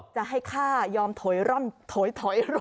จะให้ข้ายอมถอยร่อนถอยถอยร่อน